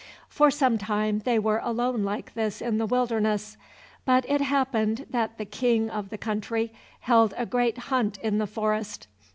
For some time they were alone like this in the wilderness. But it happened that the King of the country held a great hunt in the forest.